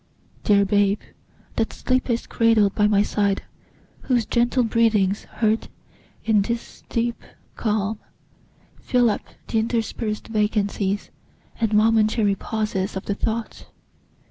Dear Babe, that sleepest cradled by my side, Whose gentle breathings, heard in this deep calm, Fill up the interspersed vacancies And momentary pauses of the thought!